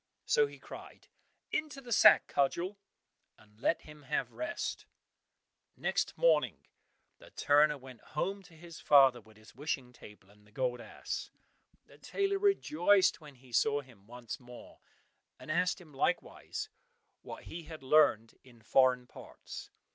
So he cried, "Into the sack, Cudgel!" and let him have rest. Next morning the turner went home to his father with the wishing table, and the gold ass. The tailor rejoiced when he saw him once more, and asked him likewise what he had learned in foreign parts.